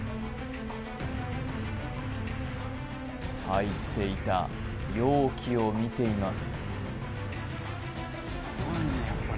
入っていた容器を見ています